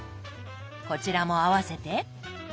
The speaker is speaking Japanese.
こちらも合わせて。